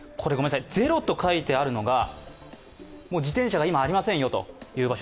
０と書いてあるのが自転車が今、ありませんよという場所。